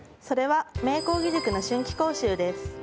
それは明光義塾の春期講習です。